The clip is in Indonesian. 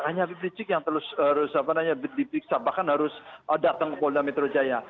hanya api pelicik yang harus dipiksa bahkan harus datang ke polda metro jaya